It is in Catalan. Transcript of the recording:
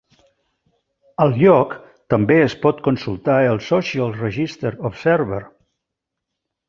Al lloc també es pot consultar el "Social Register Observer".